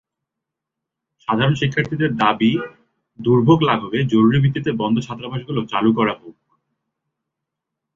সাধারণ শিক্ষার্থীদের দাবি, দুর্ভোগ লাঘবে জরুরি ভিত্তিতে বন্ধ ছাত্রাবাসগুলো চালু করা হোক।